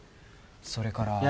それから。